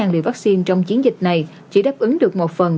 tám trăm ba mươi sáu liều vaccine trong chiến dịch này chỉ đáp ứng được một phần